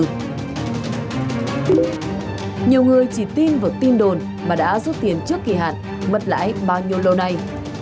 nhiều người chỉ tin vào tin đồn mà đã rút tiền trước kỳ hạn mất lãi bao nhiêu lâu nay